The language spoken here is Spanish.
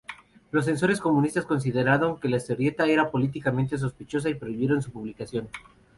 Los censores comunistas consideraron que la historieta era políticamente sospechosa y prohibieron su publicación.